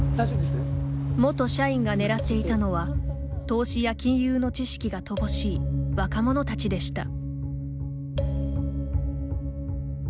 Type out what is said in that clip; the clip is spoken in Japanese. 元社員が狙っていたのは投資や金融の知識が乏しい若者たちでした。